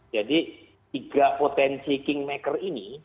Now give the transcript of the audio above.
jadi tiga potensi kingmaker ini